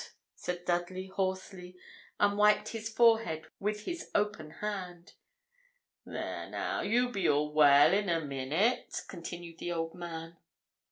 said Dudley, hoarsely, and wiped his forehead with his open hand. 'There now, you'll be all well in a minute,' continued the old man.